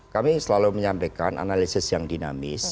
kami selalu menyampaikan analisis yang dinamis